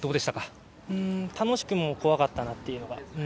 楽しくも、怖かったなっていうのが。